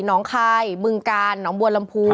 น้องคลายมึงกาลน้องบัวลำภูอุดอน